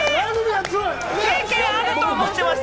経験あると思ってました。